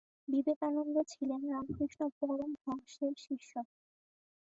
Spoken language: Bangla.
বিবেকানন্দ ছিলেন রামকৃষ্ণ পরমহংসের শিষ্য।